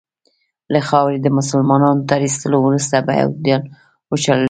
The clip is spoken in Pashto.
له خاورې د مسلمانانو تر ایستلو وروسته یهودیان وشړل سول.